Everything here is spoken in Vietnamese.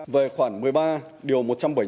về khoảng một mươi ba điều một trăm bảy mươi năm